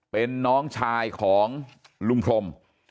เป็นน้องชายของลุงพรม